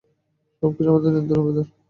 সবকিছু আমাদের নিয়ন্ত্রণের ভেতর।